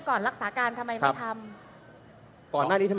คุณเขตรัฐพยายามจะบอกว่าโอ้เลิกพูดเถอะประชาธิปไตย